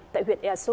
tại huyện ea su